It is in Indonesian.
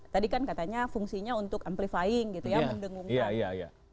tadi kan katanya fungsinya untuk amplifying gitu ya mendengungkan